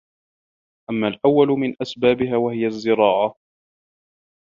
أَمَّا الْأَوَّلُ مِنْ أَسْبَابِهَا وَهِيَ الزِّرَاعَةُ